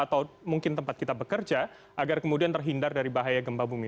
atau mungkin tempat kita bekerja agar kemudian terhindar dari bahaya gempa bumi